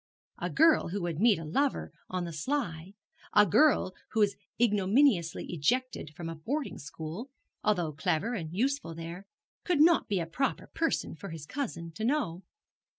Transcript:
A girl who would meet a lover on the sly, a girl who was ignominiously ejected from a boarding school, although clever and useful there, could not be a proper person for his cousin to know.